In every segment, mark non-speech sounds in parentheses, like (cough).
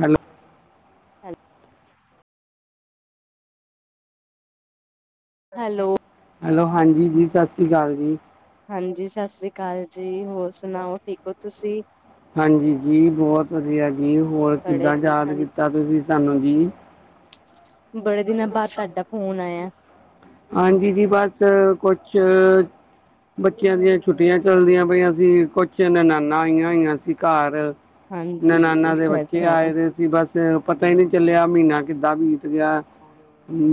Hello hello hello hello ਹਾਂਜੀ ਜੀ ਸਸ ਸ੍ਰੀ ਕਾਲ ਜੀ। ਹਾਂਜੀ ਸਸ ਸ੍ਰੀ ਕਾਲ ਜੀ ਹੋਰ ਸੁਣਾਓ ਠੀਕ ਹੋ ਤੁਸੀ। ਹਾਂਜੀ ਜੀ ਬਹੁਤ ਵਧੀਆ ਜੀ ਹੋਰ ਬੜੇ ਕਿੱਦਾਂ ਯਾਦ ਕੀਤਾ ਹਾਂਜੀ ਤੁਸੀ ਸਾਨੂੰ ਜੀ। ਬੜੇ ਦਿਨਾਂ ਬਾਅਦ ਸਾਡਾ ਫੋਨ ਆਇਆ। ਹਾਂਜੀ ਜੀ, ਜੀ ਬਸ ਕੁਛ ਬੱਚਿਆਂ ਦੀਆਂ ਛੁੱਟੀਆ ਚੱਲਦੀਆ ਪਈਆ ਸੀ ਕੁਛ ਨਨਾਨਾ ਆਈਆ ਹੋਈਆ ਸੀ ਘਰ। ਹਾਂਜੀ ਜੀ ਨਨਾਨਾ ਦੇ ਅੱਛਾ ਬੱਚੇ ਅੱਛਾ ਆਏ ਦੇ ਸੀ ਬੱਸ ਪਤਾ ਹੀ ਨੀ ਚੱਲਿਆ ਮਹੀਨਾ ਕਿੱਦਾ ਬੀਤ ਗਿਆ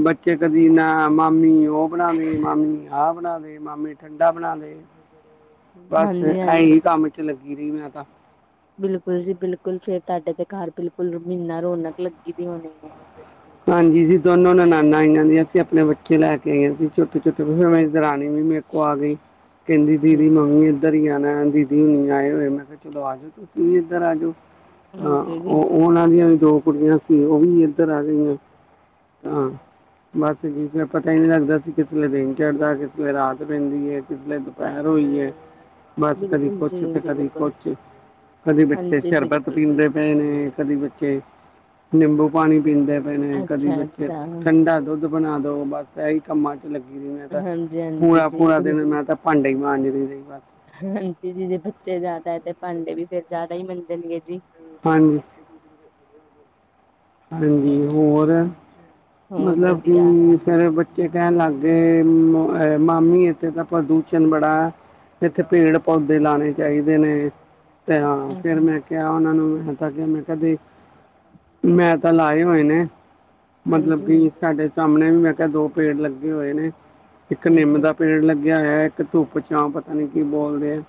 ਬੱਚੇ ਕਦੀ ਨਾ ਮਾਮੀ ਉਹ ਬਣਾ ਦੇ, ਮਾਮੀ ਆਹ ਬਣਾ ਦੇ, ਮਾਮੀ ਠੰਡਾ ਬਣਾ ਦੇ। ਬਸ ਹਾਂਜੀ ਐਹੀ ਹਾਂਜੀ ਕੰਮ ਚ ਲੱਗੀ ਰਹੀ ਮੈਂ ਤਾ। ਬਿਲਕੁਲ ਜੀ ਬਿਲਕੁਲ ਫੇਰ ਤੁਹਾਡੇ ਤੇ ਘਰ ਬਿਲਕੁਲ ਮਹੀਨਾ ਰੌਣਕ ਲੱਗੀ ਵੀ ਹੋਣੀ ਹੈ। ਹਾਂਜੀ ਜੀ ਦੋਨੋ ਨਨਾਨਾ ਆਇਆ ਦੀਆ ਸੀ ਆਪਣੇ ਬੱਚੇ ਲੈ ਕੇ ਆਈਆ ਸੀ। ਛੋਟੀ-ਛੋਟੀ ਫੇਰ ਉਨਾਂ ਦੀ ਮੇਰੀ ਅੱਛਾ ਦਰਾਨਣੀ ਵੀ ਮੇਰੇ ਕੋ ਆ ਗਈ ਕਹਿੰਦੀ ਦੀਦੀ ਹਾਂਜੀ ਮੰਮੀ ਉਧਰ ਹੀ ਆਣਾ ਦੀਦੀ ਹੋਣੀ ਆਏ ਹੋਏ ਮੈਂ ਕਿਹਾ ਚਲੋ ਆ ਜਾਓ ਤੁਸੀ ਵੀ ਇੱਧਰ ਆ ਜੋ। ਹਾਂਜੀ ਜੀ ਉਹਨਾਂ ਦੀਆਂ ਵੀ ਦੋ ਕੁੜੀਆਂ ਸੀ ਉਹ ਵੀ ਇੱਧਰ ਆ ਗਈਆ। ਹਾਂ ਬਸ ਜੀ ਫੇਰ ਪਤਾ ਹੀ ਨੀ ਲੱਗਦਾ ਸੀ ਕਿਸਲੇ ਦਿਨ ਚੜ੍ਹਦਾ ਕਿਸਲੇ ਰਾਤ ਪੈਂਦੀ ਹੈ ਕਿਸਲੇ ਭੈਰ ਹੋਈ ਏ। ਬਸ ਕਦੀ ਬਿਲਕੁਲ ਕੁਛ ਜੀ ਤੇ ਕਦੀ ਬਿਲਕੁਲ ਕੁਛ ਕਦੀ ਬੱਚੇ ਹਾਂਜੀ ਸ਼ਰਬਤ ਬਿਲਕੁਲ ਪੀਂਦੇ ਬਿਲਕੁਲ ਪਏ ਨੇ। ਕਦੀ ਬੱਚੇ ਨਿੰਬੂ ਪਾਣੀ ਪੀਂਦੇ ਪਏ ਨੇ ਕਦੀ ਅੱਛਾ ਬੱਚੇ ਅੱਛਾ ਠੰਡਾ ਦੁੱਧ ਦੁੱ ਬਣਾ ਦੋ ਬਸ ਇਹੀ ਕੰਮਾਂ ਚ ਲੱਗੀ ਸੀ ਮੈਂ ਤਾਂ ਹਾਂਜੀ ਹਾਂਜੀ ਜੀ ਪੂਰਾ-ਪੂਰਾ ਦਿਨ ਬਿਲਕੁਲ ਮੈਂ ਤਾ ਭਾਂਡੇ ਹੀ ਮਾਜਦੀ ਰਹੀ ਮੈਂ ਤਾਂ ਬਸ। ਹਾਂਜੀ ਜੀ ਜੇ ਬੱਚੇ ਜਾਦਾ ਹੈ ਤੇ ਭਾਂਡੇ ਵੀ ਫੇਰ ਜਾਦਾ ਹੀ ਮੰਜਣਗੇ ਜੀ। ਹਾਂਜੀ ਹਾਂਜੀ ਹੋਰ, ਹੋਰ ਮਤਲਬ ਵਧੀਆ ਕਿ ਫੇਰ ਬੱਚੇ ਕਹਿਣ ਲੱਗ ਗਏ ਮਾਮੀ ਇੱਥੇ ਤਾਂ ਪ੍ਰਦੂਸ਼ਣ ਬੜਾ ਇੱਥੇ ਪੇੜ ਪੌਦੇ ਲਾਉਣੇ ਚਾਹੀਦੇ ਨੇ ਤੇ ਹਾਂ ਅੱਛਾ ਫਿਰ ਮੈਂ ਕਿਹਾ ਉਹਨਾਂ ਨੂੰ ਮੈਂ ਤਾਂ ਕਿਹਾ ਮੈਂ ਦੇਖ, ਮੈਂ ਤਾਂ ਲਾਏ ਹੋਏ ਨੇ ਮਤਲਬ ਹਾਂਜੀ ਕਿ ਹਾਂਜੀ ਸਾਡੇ ਸਾਹਮਣੇ ਵੀ ਮੈਂ ਕਿਹਾ ਦੋ ਪੇੜ ਲੱਗੇ ਹੋਏ ਨੇ ਇੱਕ ਨਿੰਮ ਹਾਂਜੀ ਦਾ ਪੇੜ ਲੱਗਿਆ ਹੋਇਆ ਇੱਕ ਧੁੱਪ ਛਾਂ ਪਤਾ ਨੀ ਕੀ ਬੋਲਦੇ ਆ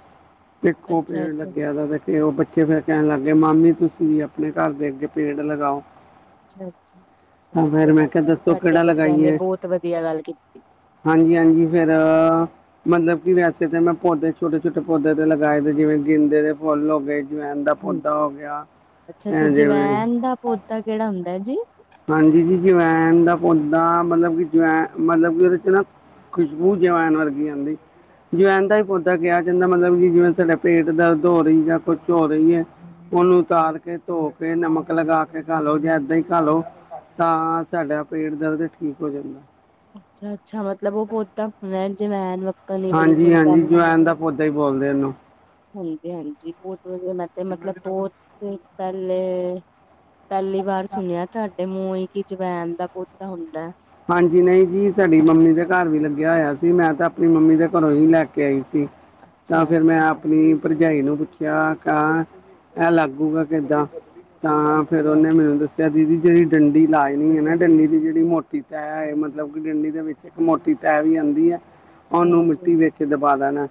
ਇੱਕੋ ਪੇੜ ਅੱਛਾ ਅੱਛਾ ਲੱਗਿਆ ਵ ਤੇ ਉਹ ਬੱਚੇ ਫਿਰ ਕਹਿਣ ਲੱਗ ਗਏ ਮਾਮੀ ਤੁਸੀਂ ਵੀ ਆਪਣੇ ਘਰ ਦੇ ਅੱਗੇ ਪੇੜ ਲਗਾਓ ਅੱਛਾ, ਅੱਛਾ ਤਾਂ ਵਧੀਆ ਫਿਰ ਮੈਂ ਗੱਲ ਕਿਹਾ ਦੱਸੋ ਤੁਹਾਡੇ ਕਿਹੜਾ ਬੱਚਿਆਂ ਨੇ ਬਹੁਤ ਵਧੀਆ ਗੱਲ ਕੀਤੀ ਹਾਂਜੀ-ਹਾਂਜੀ ਫਿਰ ਮਤਲਬ ਕਿ ਵੈਸੇ ਤੇ ਮੈਂ ਪੌਦੇ ਛੋਟੇ- ਛੋਟੇ ਪੌਦੇ ਤੇ ਲਗਾਏ ਤੇ ਜਿਵੇਂ ਗਿੰਦੇ ਦੇ ਫੁੱਲ ਹੋ ਗਏ ਜਵੈਨ ਦਾ ਹਮ ਪੌਦਾ ਹੋ ਗਿਆ ਜਿਵੇਂ ਤਾ ਕਿਹੜਾ ਹੁੰਦਾ ਜੀ ਹਾਂਜੀ ਜੀ, ਜਵੈਨ ਦਾ ਪੌਦਾ ਮਤਲਬ ਕਿ ਜਵੈਨ ਮਤਲਬ ਕਿ ਉਹਦੇ ਚ ਨਾ ਖੁਸ਼ਬੂ ਜਵੈਨ ਵਰਗੀ ਆਉਂਦੀ ਜਵੈਨ ਦਾ ਹੀ ਪੌਦਾ ਕਿਹਾ ਜਾਂਦਾ ਮਤਲਬ ਕਿ ਜਿਵੇਂ ਤੁਹਾਡੇ ਪੇਟ ਦਰਦ ਹੋ ਰਹੀ ਜਾਂ ਕੁਛ ਹੋ ਰਹੀ ਹੈ ਉਹਨੂੰ ਉਤਾਰ ਕੇ, ਧੋ ਕੇ, ਨਮਕ ਲਗਾ ਕੇ ਖਾ ਲੋ ਜਾਂ ਇਦਾਂ ਹੀ ਖਾ ਲੋ ਤਾਂ ਸਾਡਾ ਪੇਟ ਦਰਦ ਠੀਕ ਹੋ ਜਾਂਦਾ ਅੱਛਾ, ਅੱਛਾ ਮਤਲਬ ਉਹ ਪੌਦਾਂ ਹੁਣ ਜਿਵੇ ਹਾਂਜੀ, ਹਾਂਜੀ ਜਵੈਨ ਦਾ ਪੌਦਾ ਹੀ ਬੋਲਦੇ ਉਹਨੂੰ ਹਾਂਜੀ- ਹਾਂਜੀ ਬਹੁਤ ਵਧੀਆ ਮੈਂ ਤੇ ਮਤਲਬ ਬਹੁਤ ਪਹਿਲੇ ਪਹਿਲੀ ਵਾਰ ਸੁਣਿਆ ਤੁਹਾਡੇ ਮੂੰਹ ਹੀ ਕਿ ਜਵੈਨ ਦਾ ਪੌਦਾ ਹੁੰਦਾ ਹਾਂਜੀ-ਨਹੀਂ ਜੀ ਸਾਡੀ ਮੰਮੀ ਦੇ ਘਰ ਵੀ ਲੱਗਿਆ ਹੋਇਆ ਸੀ ਮੈਂ ਤਾਂ ਆਪਣੀ ਮੰਮੀ ਦੇ ਘਰੋਂ ਹੀ ਲੈ ਕੇ ਆਈ ਸੀ ਤਾਂ ਅੱਛਾ ਫਿਰ ਮੈਂ ਅੱਛਾ ਆਪਣੀ ਭਰਜਾਈ ਨੂੰ ਪੁੱਛਿਆ ਕ ਇਹ ਲੱਗੂਗਾ ਕਿੱਦਾਂ ਤਾਂ ਫ਼ਿਰ ਉਹਨੇ ਮੈਨੂੰ ਦੱਸਿਆ ਦੀਦੀ ਜਿਹੜੀ ਡੰਡੀ ਲਾਉਣੀ ਹੈ ਨਾ ਡੰਡੀ ਦੀ ਜਿਹੜੀ ਮੋ ਕੀਤਾ ਹੈ ਮਤਲਬ ਕਿ ਡੰਡੀ ਦੇ ਵਿੱਚ ਇੱਕ ਮੋਟੀ ਟਹਿਣੀ ਵੀ ਆਉਂਦੀ ਹੈ ਉਹਨੂੰ ਹਾਂਜੀ ਮਿੱਟੀ ਵਿੱਚ ਦਬਾ ਦੇਣਾ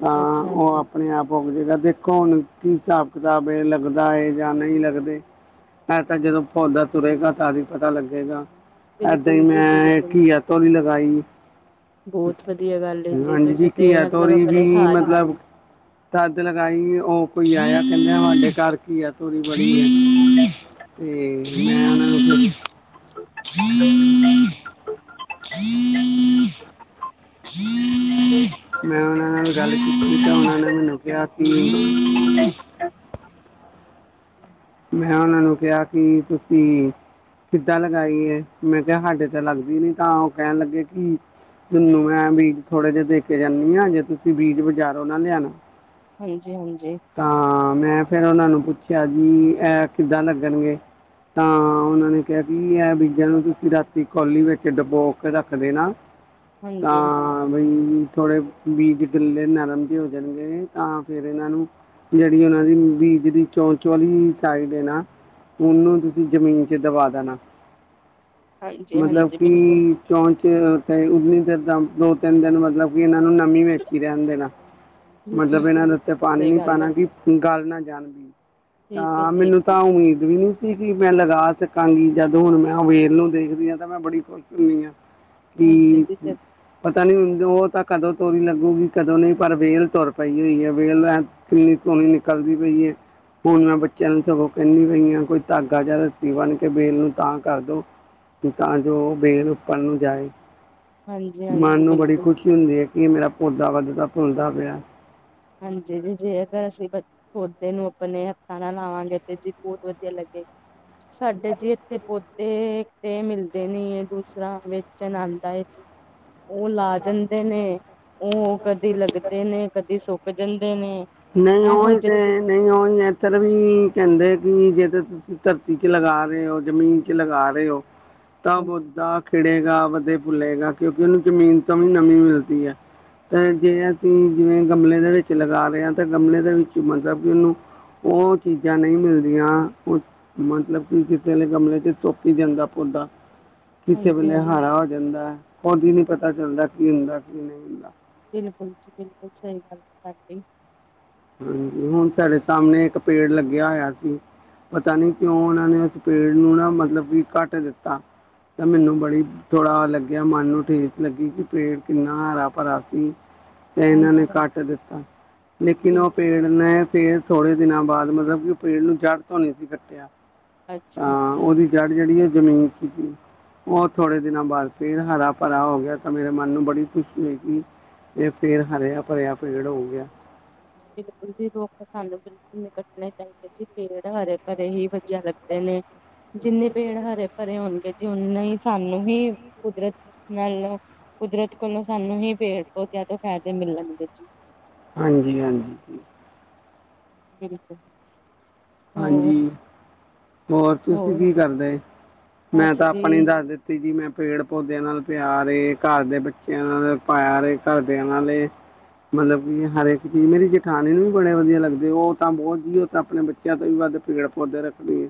ਤਾਂ ਅੱਛਾ ਉਹ ਅੱਛਾ ਆਪਣੇ ਆਪ ਪੁੰਗਰਦਾ ਦੇਖੋ ਹੁਣ ਕੀ ਹਿਸਾਬ ਕਿਤਾਬ ਲੱਗਦਾ ਹੈ ਜਾਂ ਨਹੀਂ ਲੱਗਦੇ ਇਹ ਤਾਂ ਜਦੋਂ ਪੌਦਾ ਤੁਰੇਗਾ ਤਾਂ ਹੀ ਪਤਾ ਲੱਗੇਗਾ ਇਹ ਤਾਂ ਬਿਲਕੁਲ ਜੀ ਮੈਂ ਬਿਲਕੁਲ ਘੀਆ ਤੋਰੀ ਲਗਾਈ ਬਹੁਤ ਵਧੀਆ ਗੱਲ ਹੈ ਹਾਂਜੀ ਜੀ, ਤੁਸੀਂ ਤੇ ਘੀਆ ਮਤਲਬ ਤੋਰੀ ਆਪਣੇ ਵੀ ਘਰ ਹੀ ਮਤਲਬ ਤਦ ਲਗਾਈ ਉਹ ਕੋਈ ਆਇਆ ਕਹਿੰਦੇ ਸਾਡੇ ਘਰ ਘੀਆ ਤੋਰੀ ਬੜੀ ਆ ਤੇ ਮੈਂ ਉਹਨਾ ਨੂੰ ਕਿਹਾ (inaudible) (inaudible) (inaudible) (inaudible) ਮੈਂ ਉਹਨਾਂ ਨਾਲ ਗੱਲ ਕੀਤੀ ਤਾਂ ਉਹਨਾਂ ਨੇ ਮੈਨੂੰ ਕਿਹਾ ਕਿ ਮੈਂ ਉਹਨਾਂ ਨੂੰ ਕਿਹਾ ਕਿ ਤੁਸੀਂ ਕਿੱਦਾਂ ਲਗਾਈ ਏ, ਮੈਂ ਕਿਹਾ ਸਾਡੇ ਤਾਂ ਲੱਗਦੀ ਨੀ ਤਾਂ ਉਹ ਕਹਿਣ ਲੱਗੇ ਕਿ ਤੁਹਾਨੂੰ ਮੈਂ ਬੀਜ ਥੋੜੇ ਜਿਹੇ ਦੇ ਕੇ ਜਾਂਦੀ ਹਾਂ ਜੇ ਤੁਸੀਂ ਬੀਜ ਬਾਜ਼ਾਰੋ ਨਾਂ ਲਿਆਉਣ ਹਾਂਜੀ-ਹਾਂਜੀ ਤਾਂ ਮੈਂ ਫਿਰ ਉਹਨਾਂ ਨੂੰ ਪੁੱਛਿਆ ਜੀ ਅ ਕਿੱਦਾਂ ਲੱਗਣਗੇ ਤਾਂ ਉਹਨਾਂ ਨੇ ਕਿਹਾ ਕਿ ਇਹ ਬੀਜਿਆਂ ਨੂੰ ਤੁਸੀਂ ਰਾਤੀ ਕੋਲੀ ਵਿੱਚ ਡੁਬੋ ਕੇ ਰੱਖ ਦੇਣਾ ਹਾਂਜੀ, ਤਾਂ ਬਈ ਥੋੜੇ ਬੀਜ ਗਿਲੇ ਨਰਮ ਵੀ ਹੋ ਜਾਣਗੇ ਤਾਂ ਫਿਰ ਇਹਨਾਂ ਨੂੰ ਜਿਹੜੀ ਉਹਨਾਂ ਦੀ ਬੀਜ ਦੀ ਚੌ ਚੋਲੀ ਸਾਈਡ ਨਾ ਉਹਨੂੰ ਤੁਸੀਂ ਜ਼ਮੀਨ ਚ ਦਬਾ ਦੇਣਾ, ਮਤਲਬ ਹਾਂਜੀ-ਹਾਂਜੀ, ਕਿ ਬਿਲਕੁਲ-ਬਿਲਕੁਲ ਚੌਂਣਚ, ਉਨੀ ਦੇ ਦੋ- ਤਿੰਨ ਦਿਨ ਮਤਲਬ ਇਹਨਾਂ ਨੂੰ ਨਮੀ ਵਿਚ ਰਹਿਣ ਦੇਣਾ ਮਤਲਬ ਜੀ ਇਹਨਾਂ ਦੇ ਬਿਲਕੁਲ ਉੱਤੇ ਪਾਣੀ ਸਹੀ ਨੀ ਗੱਲ ਹੈ, ਭਣਾ ਕਿ ਗੱਲ ਨਾ ਜਾਣਦੀ ਠੀਕ ਹੈ ਤਾਂ ਠੀਕ ਮੈਨੂੰ ਤਾਂ ਉਮੀਦ ਵੀ ਨਹੀਂ ਸੀ ਕਿ ਮੈਂ ਹੈ। ਲਗਾ ਸਕਾਂਗੀ ਜਦ ਹੁਣ ਮੈਂ ਅਵੇਲ ਨੂੰ ਦੇਖਦੀ ਹਾਂ ਤਾਂ ਮੈਂ ਬੜੀ ਖੁਸ਼ ਹੁਣੀ ਆ ਹਾਂਜੀ ਕੀ ਜੀ, ਪਤਾ ਨੀ ਹ ਉਹ ਤਾਂ ਕਦੋਂ ਤੋਰੀ ਲੱਗੂਗੀ ਕਦੋਂ ਨਹੀਂ ਪਰ ਵੇਲ ਤੁਰ ਪਈ ਹੋਈ ਹੈ ਵੇਲ ਐ ਕਿੰਨੀ ਧੂਣੀ ਨਿਕਲਦੀ ਪਈ ਹੈ ਹੁਣ ਮੈਂ ਬੱਚਿਆਂ ਨੂੰ ਸਗੋਂ ਕਹਿੰਦੀ ਪਈ ਹਾਂ ਕੋਈ ਧਾਗਾ ਜਹਾ ਰੱਸੀ ਬਣ ਕੇ ਬੇਲ ਨੂੰ ਤਾਂ ਕਰਦੋ ਤਾਂ ਜੋ ਬੇਲ ਉੱਪਰ ਨੂੰ ਜਾਏ ਮਨ ਹਾਂਜੀ-ਹਾਂਜੀ, ਨੂੰ ਬੜੀ ਬਿਲਕੁਲ ਖੁਸ਼ੀ ਜੀ, ਹੁੰਦੀ ਹੈ। ਇਹ ਮੇਰਾ ਪੌਦਾ ਵੱਧਦਾ ਫੁਲਦਾ ਪਿਆ। ਹਾਂਜੀ ਜੀ ਜੇ ਇਹ ਦਾ ਅਸੀਂ ਪੌਦੇ ਨੂੰ ਆਪਣੇ ਹਥਾਂ ਲਾਵਾਂਗੇ ਤੇ ਜੀ ਬਹੁਤ ਵਧੀਆ ਲੱਗੇਗਾ ਸਾਡੇ ਜੀ ਇੱਥੇ ਪੌਦੇ ਤੇ ਮਿਲਦੇ ਨੀ ਇਹ ਦੂਸਰਾ ਵੇਚਣ ਆਉਂਦਾ ਹੈ। ਉਹ ਲਾ ਜਾਂਦੇ ਨੇ ਉਹ ਕਦੀ ਲੱਗਦੇ ਨੇ ਕਦੀ ਸੁੱਕ ਜਾਂਦੇ ਨੇ ਨਹੀਂ ਇਹੋ ਉਹੀ ਜਿਹੇ ਤੇ ਨਹੀਂ ਉਹੀ ਇੱਧਰ ਵੀ ਕਹਿੰਦੇ ਕਿ ਜੇ ਤੇ ਤੁਸੀ ਧਰਤੀ ਚ ਲਗਾ ਰਹੇ ਹੋ ਜ਼ਮੀਨ ਚ ਲਗਾ ਰਹੇ ਹੋ ਤਾਂ ਪੌਦਾ ਖਿੜੇਗਾ ਵਧੇ ਫੁਲੇਗਾ ਕਿਉਂਕਿ ਉਹਨੂੰ ਜ਼ਮੀਨ ਤੋਂ ਵੀ ਨਮੀ ਮਿਲਦੀ ਹੈ। ਤੇ ਜੇ ਅਸੀਂ ਜਿਵੇਂ ਗਮਲੇ ਦੇ ਵਿੱਚ ਲਗਾ ਰਹੇ ਹਾਂ ਤਾਂ ਗਮਲੇ ਦੇ ਵਿੱਚ ਮਤਲਬ ਕਿ ਉਹਨੂੰ ਉਹ ਚੀਜ਼ਾਂ ਨਹੀਂ ਮਿਲਦੀਆਂ ਮਤਲਬ ਕਿ ਕਿਸੇ ਨੇ ਗਮਲੇ ਚ ਸੁਕ ਹੀ ਜਾਂਦਾ ਪੁੌਦਾ ਕਿਸੇ ਵੇਲੇ ਹਾਂਜੀ-ਹਾਂਜੀ, ਹਾਰ ਹੋ ਜਾਂਦਾ ਉਦਾ ਨਹੀਂ ਪਤਾ ਚੱਲਦਾ ਕੀ ਹੁੰਦਾ ਕੀ ਨਹੀਂ ਹੁੰਦਾ ਬਿਲਕੁਲ ਜੀ ਬਿਲਕੁਲ ਸਹੀ ਗੱਲ ਹੈ ਤੁਹਾਡੀ ਹਾਂਜੀ ਹੁਣ ਸਾਡੇ ਸਾਹਮਣੇ ਇੱਕ ਪੇੜ ਲੱਗਿਆ ਹੋਇਆ ਸੀ। ਪਤਾ ਨੀ ਕਿਉਂ ਉਹਨਾਂ ਨੇ ਉਸ ਪੇੜ ਨੂੰ ਨਾ ਮਤਲਬ ਕਿ ਕੱਟ ਦਿੱਤਾ ਤਾਂ ਮੈਨੂੰ ਬੜੀ ਥੋੜਾ ਲੱਗਿਆ ਮਨ ਨੂੰ ਠੀਸ ਲੱਗੀ ਕਿ ਪੇੜ ਕਿੰਨਾ ਹਰਾ ਭਰਾ ਸੀ। ਤੇ ਇਹਨਾਂ ਨੇ ਹਾਂਜੀ-ਹਾਂਜੀ, ਕੱਟ ਦਿੱਤਾ। ਲੇਕਿਨ ਬਿਲਕੁਲ ਉਹ ਪੇੜ ਨੇ ਫਿਰ ਫੇਰ ਥੋੜੇ ਦਿਨਾਂ ਬਾਅਦ ਮਤਲਬ ਕਿ ਉਹ ਪੇੜ ਨੂੰ ਜੜ੍ਹ ਤੋਂ ਨਹੀਂ ਸੀ ਕੱਟਿਆ। ਅੱਛਾ ਅੱਛਾ। ਜੜ੍ਹ ਜਿਹੜੀ ਉਹ ਜ਼ਮੀਨ ਚ ਸੀਗੀ। ਉਹ ਥੋੜੇ ਦਿਨਾਂ ਬਾਅਦ ਫਿਰ ਹਰਾ ਭਰਾ ਹੋ ਗਿਆ ਤਾਂ ਮੇਰੇ ਮਨ ਨੂੰ ਬੜੀ ਖੁਸ਼ੀ ਹੋਈ ਕਿ ਇਹ ਪੇੜ ਹਰਿਆ ਭਰਿਆ ਪੇੜ ਹੋ ਗਿਆ। ਬਿਲਕੁਲ ਜੀ ਰੁੱਖ ਸਾਨੂੰ ਕੱਟਣੇ ਚਾਹੀਦੇ ਸੀ ਪੇੜ ਹਰੇ ਭਰੇ ਹੀ ਵਧੀਆ ਲੱਗਦੇ ਨੇ। ਜਿੰਨੇ ਪੇੜ ਹਰੇ ਭਰੇ ਹੋਣਗੇ ਜੀ ਓਨੇ ਹੀ ਸਾਨੂੰ ਵੀ ਕੁਦਰਤ ਨਾਲ ਕੁਦਰਤ ਕੋਲੋਂ ਸਾਨੂੰ ਹੀ ਪੇੜ ਪੌਦਿਆਂ ਤੋਂ ਫਾਇਦੇ ਮਿਲ ਲਣਗੇ ਜੀ। ਹਾਂਜੀ ਹਾਂਜੀ। ਬਿਲਕੁੱਲ। ਹਾਂਜੀ ਹੋਰ ਤੁਸੀਂ ਕੀ ਕਰਦੇ ਮੈਂ ਬਸ ਤਾਂ ਆਪਣੇ ਜੀ ਦੱਸ ਦਿੱਤੀ। ਤੇ ਜੀ ਮੈਂ ਪੇੜ ਪੌਦਿਆ ਨਾਲ ਪਿਆਰ ਏ, ਘਰ ਦੇ ਬਚਿਆ ਨਾਲ ਪਿਆਰ ਏ, ਘਰਦਿਆ ਨਾਲ ਏ। ਮਤਲਬ ਕਿ ਹਰ ਇੱਕ ਚੀਜ਼ ਮੇਰੀ ਜੇਠਾਨੀ ਨੂੰ ਵੀ ਬੜੇ ਵਧੀਆ ਲੱਗਦੇ ਉਹ ਤਾਂ ਬਹੁਤ ਜ ਉਹ ਤਾਂ ਆਪਣੇ ਬੱਚੇ ਬੱਚਿਆਂ ਤੋਂ ਵੀ ਵੱਧ ਪੇੜ ਪੌਦੇ ਰੱਖਦੀ ਹੈ।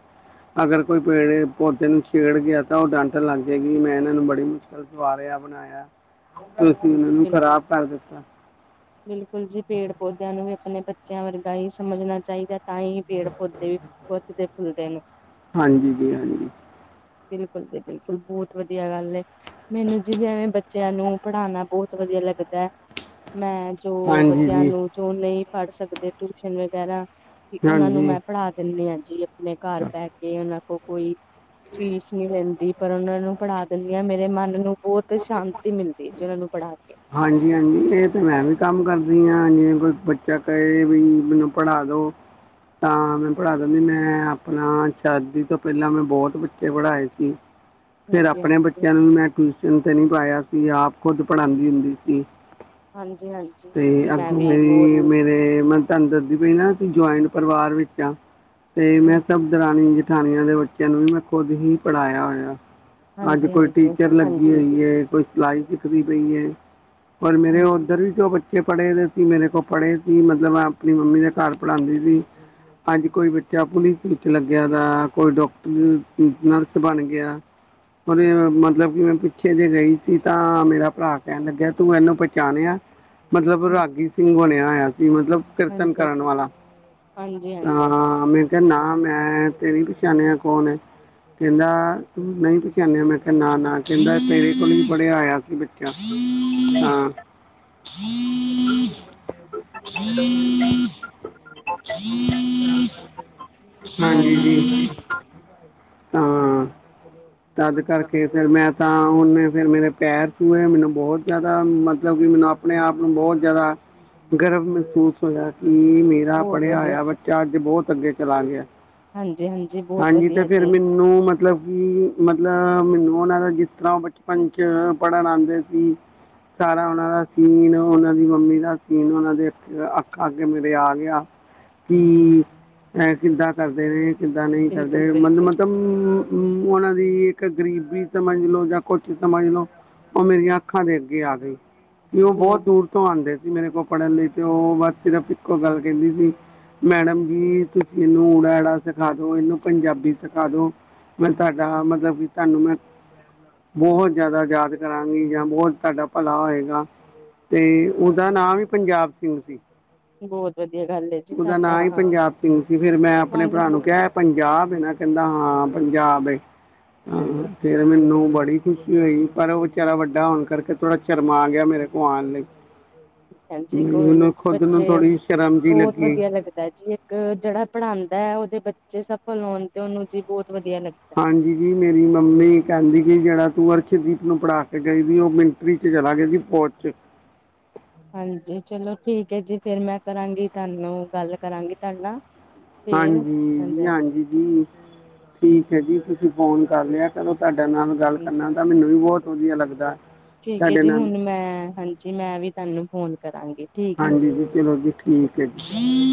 ਅਗਰ ਕੋਈ ਪੇੜ ਪੌਦੇ ਨੂੰ ਛੇੜ ਗਿਆ ਤਾਂ ਉਹ ਡਾਟਣ ਲੱਗ ਜਾਏਗੀ ਮੈਂ ਇਹਨਾਂ ਨੂੰ ਬੜੀ ਮੁਸ਼ਕਿਲ ਨਾਲ ਸਵਾਰਿਆ ਬਣਾਇਆ ਤੇ ਤੁਸੀਂ ਉਹਨਾਂ ਨੂੰ ਬਿਲਕੁਲ ਖ਼ਰਾਬ ਕਰ ਦਿੱਤਾ। ਬਿਲਕੁਲ ਜੀ ਪੇੜ ਪੌਦਿਆਂ ਨੂੰ ਵੀ ਆਪਣੇ ਬੱਚਿਆਂ ਵਰਗਾ ਹੀ ਸਮਝਣਾ ਚਾਹੀਦਾ। ਤਾਂ ਹੀ ਪੇੜ ਪੌਦੇ ਵੱਧਦੇ ਫੁੱਲਦੇ ਨੇ। ਹਾਂਜੀ ਜੀ ਹਾਂਜੀ ਬਿਲਕੁਲ ਜੀ ਬਿਲਕੁਲ ਬਹੁਤ ਵਧੀਆ ਗੱਲ। ਮੈਨੂੰ ਜਿਵੇਂ ਬੱਚਿਆਂ ਨੂੰ ਪੜ੍ਹਾਉਣਾ ਬਹੁਤ ਵਧੀਆ ਲੱਗਦਾ ਹੈ। ਮੈਂ ਜੋ ਹਾਂਜੀ ਬੱਚਿਆਂ ਜੀ ਨੂੰ ਜੋ ਨਹੀਂ ਪੜ੍ਹ ਸਕਦੇ ਟਿਊਸ਼ਨ ਵਗੈਰਾ ਕਿ ਉਹਨਾਂ ਨੂੰ ਹਾਂਜੀ ਮੈਂ ਪੜ੍ਹਾ ਦਿੰਦੀ ਹਾਂ ਜੀ ਆਪਣੇ ਘਰ ਬਹਿ ਕੇ ਉਹਨਾਂ ਕੋਲ ਕੋਈ ਫੀਸ ਨਹੀਂ ਲੈਂਦੀ ਪਰ ਉਹਨਾਂ ਨੂੰ ਪੜ੍ਹਾ ਦਿੰਦੀ ਹਾਂ ਮੇਰੇ ਮਨ ਨੂੰ ਬਹੁਤ ਸ਼ਾਂਤੀ ਮਿਲਦੀ ਹੈ ਜਿਵੇਂ ਉਹਨਾਂ ਨੂੰ ਪੜ੍ਹਾ ਕੇ। ਹਾਂਜੀ ਹਾਂਜੀ ਇਹ ਤੇ ਮੈਂ ਵੀ ਕੰਮ ਕਰਦੀ ਆ ਜਿਵੇਂ ਕੋਈ ਬੱਚਾ ਕਹੇ ਵੀ ਮੈਨੂੰ ਪੜ੍ਹਾ ਦੋ। ਤਾਂ ਮੈਂ ਪੜ੍ਹਾ ਦਿੰਦੀ ਮੈਂ ਆਪਣਾ ਸ਼ਾਦੀ ਤੋਂ ਪਹਿਲਾਂ ਮੈਂ ਬਹੁਤ ਬੱਚੇ ਪੜ੍ਹਾਏ ਸੀ। (inaudible) ਫੇਰ ਹਾਂਜੀ ਆਪਣੇ ਹਾਂਜੀ ਬੱਚਿਆਂ ਨੂੰ ਵੀ ਮੈਂ ਟਿਊਸ਼ਨ ਤੇ ਨਹੀਂ ਪਾਇਆ ਸੀ ਆਪ ਖੁਦ ਪੜਾਂਦੀ ਹੁੰਦੀ ਸੀ। ਹਾਂਜੀ ਹਾਂਜੀ ਹਾਂਜੀ ਅਤੇ ਮੈਂ ਅੱਗੋਂ ਵੀ ਬਹੁਤ ਮੇਰੀ ਮੇਰੇ ਮੈ ਤਹਾਨੂੰ ਦੱਸ ਪਈ ਨਾ ਜੁਆਇੰਟ ਪਰਿਵਾਰ ਵਿੱਚ ਆ ਤੇ ਮੈਂ ਹਾਂਜੀ ਦਰਾਨੀ ਜਠਾਨੀਆਂ ਦੇ ਬੱਚਿਆਂ ਨੂੰ ਵੀ ਮੈਂ ਖੁਦ ਹੀ ਪੜ੍ਹਾਇਆ ਹੋਇਆ। ਅੱਜ ਹਾਂਜੀ ਕੋਈ ਹਾਂਜੀ ਟੀਚਰ ਲੱਗੀ ਹਾਂਜੀ ਹੋਈ ਏ ਕੋਈ ਸਿਲਾਈ ਸਿੱਖਦੀ ਪਈ ਏ। ਪਰ ਮੇਰੇ ਹਾਂਜੀ ਉੱਧਰ ਵੀ ਜੋ ਬੱਚੇ ਪੜ੍ਹੇ ਦੇ ਸੀ ਮੇਰੇ ਕੋਲ ਪੜ੍ਹੇ ਸੀ ਮਤਲਬ ਮੈਂ ਆਪਣੀ ਮੰਮੀ ਦੇ ਘਰ ਪੜ੍ਹਾਦੀਂ ਸੀ। ਅੱਜ ਕੋਈ ਬੱਚਾ ਪੁਲਿਸ ਵਿੱਚ ਲੱਗਿਆ ਦਾਾ ਕੋਈ ਡਾਕਟਰ ਨਰਸ ਬਣ ਗਿਆ। ਮਤਲਬ ਕਿ ਮੈਂ ਪਿੱਛੇ ਜੇ ਗਈ ਸੀ ਤਾਂ ਮੇਰਾ ਭਰਾ ਕਹਿਣ ਲੱਗਿਆ ਤੂੰ ਇਹਨੂੰ ਪਹਿਚਾਣਿਆ ਮਤਲਬ ਰਾਗੀ ਸਿੰਘ ਬਣਿਆ ਹੋਇਆ ਸੀ ਮਤਲਬ ਕੀਰਤਨ ਹਾਂਜੀ ਕਰਨ ਵਾਲਾ ਹਾਂਜੀ ਅ ਹਾਂਜੀ ਮੈ ਨਾ ਮੈਂ ਤੇ ਨੀ ਪਛਾਣਿਆ ਕੌਣ ਏ। ਕਹਿੰਦਾ ਤੂੰ ਨਹੀਂ ਪਹਿਚਾਣਿਆ ਮੈਂ ਕਿਹਾ ਨਾ ਨਾ ਕਹਿੰਦਾ ਤੇਰੇ ਕੋਲ ਹੀ ਪੜਿਆ ਹੋਯਾ ਸੀ ਬੱਚਾ। (unintelligible) ਹਾਂ। (unintelligible) ਹਾਂਜੀ (unintelligible) ਜੀ ਤਾਂ ਤਦ ਕਰਕੇ। ਫੇਰ ਮੈਂ ਤਾਂ ਹੁਣ ਫੇਰ ਮੇਰੇ ਪੈਰ ਛੁਏ ਮੈਨੂੰ ਬਹੁਤ ਜ਼ਿਆਦਾ ਮਤਲਬ ਕਿ ਮੈਨੂੰ ਆਪਣੇ ਆਪ ਨੂੰ ਬਹੁਤ ਜ਼ਿਆਦਾ ਗਰਵ ਮਹਿਸੂਸ ਹੋਇਆ ਕਿ ਮੇਰਾ ਬਹੁਤ ਪੜ੍ਹਿਆ ਵਧੀਆ ਹੋਇਆ ਬੱਚਾ ਅੱਜ ਬਹੁਤ ਅੱਗੇ ਚਲਾ ਗਿਆ। ਹਾਂਜੀ ਬਹੁਤ ਹਾਂਜੀ ਤੇ ਵਧੀਆ ਫੇਰ ਜੀ ਮੈਨੂੰ ਮਤ ਮਤਲਬ ਕਿ ਮਤਲਬ ਮੈਨੂੰ ਉਹਨਾਂ ਦਾ ਜਿਸ ਤਰ੍ਹਾਂ ਉਹ ਬਚਪਨ 'ਚ ਪੜ੍ਹਨ ਆਉਂਦੇ (unintelligible) ਸਾਰਾ ਉਹਨਾਂ ਦਾ ਸੀਨ ਉਹਨਾਂ ਦੀ ਮੰਮੀ ਦਾ ਸੀਨ ਉਹਨਾਂ ਦੇ ਅੱਖਾ ਅੱਗੇ ਮੇਰੇ ਆ ਗਿਆ। ਕਿ ਅਹ ਕਿੱਦਾਂ ਕਰਦੇ ਰਹੇ ਕਿੱਦਾਂ ਨਹੀਂ ਕਰਦੇ ਬਿਲਕੁਲ ਰਹੇ ਮਲ ਬਿਲਕੁਲ ਮਤਲਬ ਹਮ ਉਹਨਾਂ ਦੀ ਇੱਕ ਗ਼ਰੀਬੀ ਸਮਝ ਲੋੋ ਜਾਂ ਕੁਛ ਸਮਝ ਲੋੋ ਉਹ ਮੇਰੀਆਂ ਅੱਖਾਂ ਦੇ ਅੱਗੇ ਆ ਗਏ ਕੀ ਉਹ ਬਹੁਤ ਠੀਕ ਦੂਰ ਤੋਂ ਆਉਂਦੇ ਸੀ ਮੇਰੇ ਕੋਲ ਪੜ੍ਹਨ ਲਈ ਤੇ ਉਹ ਬਸ ਸਿਰਫ ਇੱਕੋ ਗੱਲ ਕਹਿੰਦੀ ਸੀ। ਮੈਡਮ ਜੀ ਤੁਸੀਂ ਇਹਨੂੰ ਉੜਾ ਐੜਾ ਸਿਖਾ ਦੋ ਇਹਨੂੰ ਪੰਜਾਬੀ ਸਿਖਾ ਦੋ ਮੈਂ ਤੁਹਾਡਾ ਮਤਲਬ ਕਿ ਤੁਹਾਨੂੰ ਮੈਂ ਬਹੁਤ ਜ਼ਿਆਦਾ ਯਾਦ ਕਰਾਂਗੀ। ਜਾਂ ਬਹੁਤ ਤੁਹਾਡਾ ਭਲਾ ਹੋਏਗਾ ਤੇ ਉਹਦਾ ਨਾਂ ਵੀ ਪੰਜਾਬ ਸਿੰਘ ਸੀ। ਬਹੁਤ ਵਧੀਆ ਗੱਲ ਹੈ ਜੀ ਉਹਦਾ ਨਾਂ ਤੁਹਾਡਾ ਹੀ ਪੰਜਾਬ ਸਿੰਘ ਸੀ ਫੇਰ ਮੈਂ ਆਪਣੇ ਤੁਹਾਨੂੰ ਭਰਾ ਨੂੰ ਕਿਹਾ ਪੰਜਾਬ ਏ ਨਾ ਕਹਿੰਦਾ ਹਾਂ ਪੰਜਾਬ ਏ। ਹਾਂ ਫੇਰ ਮੈਨੂੰ ਬੜੀ ਖੁਸ਼ੀ ਹੋਈ ਪਰ ਉਹ ਵਿਚਾਰ ਵੱਡ ਵਡਾ ਹੋਣ ਕਰਕੇ ਥੋੜ੍ਹਾ ਸ਼ਰਮਾ ਗਿਆ ਮੇਰੇ ਕੋ ਆਉਣ ਲਗੇ। ਹਾਂਜੀ ਕੋਈ ਨੀ ਜੀ ਨੂੰ ਬੱਚੇ ਥੋੜ੍ਹੀ ਸ਼ਰਮ ਜਿਹੀ ਬਹੁਤ ਲੱਗੀ ਵਧੀਆ ਲੱਗਦਾ ਜੀ ਇਹ, ਏਕ ਜਿਹੜਾ ਪੜ੍ਹਾਉਂਦਾ ਹੈ ਉਹਦੇ ਬੱਚੇ ਸਫਲ ਹੋਣ ਤੇ ਉਹਨੂੰ ਜੀ ਬਹੁਤ ਵਧੀਆ ਲੱਗਦਾ ਹਾਂਜੀ ਜੀ ਮੇਰੀ ਮੰਮੀ ਕਹਿੰਦੀ ਕਿ ਜੇੜਾ ਤੂੰ ਅਰਸ਼ਦੀਪ ਨੂੰ ਪੜਾ ਕੇ ਗਈ ਸੀ ਉਹ ਮਿੰ ਵਿਚ ਚਲਾ ਗਿਆ ਸੀ ਫੌਜ ਚ। ਹਾਂਜੀ ਚਲੋ ਠੀਕ ਹੈ ਜੀ ਫੇਰ ਮੈਂ ਕਰਾਂਗੀ ਤੁਹਾਨੂੰ ਗੱਲ ਕਰਾਂਗੀ ਤੁਹਾਡੇ ਨਾਲ ਹਾਂਜੀ ਜੀ ਹਾਂਜੀ ਜੀ। ਠੀਕ ਹੈ ਜੀ ਤੁਸੀਂ ਫੋਨ ਕਰ ਲਿਆ ਕਰੋ ਤੁਹਾਡੇ ਨਾਲ ਗੱਲ ਹਾਂਜੀ ਕਰਨਾ ਤਾਂ ਮੈਨੂੰ ਵੀ ਬਹੁਤ ਵਧੀਆ ਲੱਗਦਾ। ਠੀਕ ਹੈ ਤੁਹਾਡੇ ਜੀ ਨਾਲ ਹੁਣ ਮੈਂ ਹਾਂਜੀ ਮੈਂ ਵੀ ਤੁਹਾਨੂੰ ਫੋਨ ਕਰਾਂਗੀ। ਠੀਕ ਹੈ ਹਾਂਜੀ ਜੀ ਚਲੋ ਜੀ ਠੀਕ ਹੈ ਜੀ। (unintelligible)